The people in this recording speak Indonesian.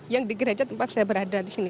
yang di gereja tempat saya berada di sini